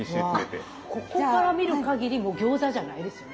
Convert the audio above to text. ここから見るかぎりもう餃子じゃないですよね。